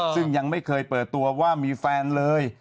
ซึ่งยังไม่เคยเปิดตัวว่ามีแฟนเลย